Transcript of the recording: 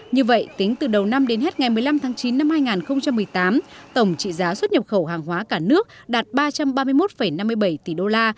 như vậy tính từ đầu năm đến hết ngày một mươi năm tháng chín năm hai nghìn một mươi tám tổng trị giá xuất nhập khẩu hàng hóa cả nước đạt ba trăm ba mươi một năm mươi bảy tỷ đô la